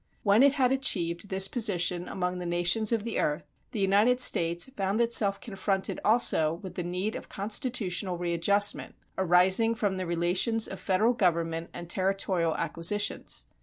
When it had achieved this position among the nations of the earth, the United States found itself confronted, also, with the need of constitutional readjustment, arising from the relations of federal government and territorial acquisitions.